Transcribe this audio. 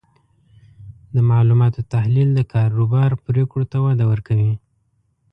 د معلوماتو تحلیل د کاروبار پریکړو ته وده ورکوي.